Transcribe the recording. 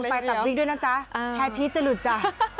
เดินไปจับพริกด้วยนะจ๊ะแพ้พริกจะหลุดจ้ะ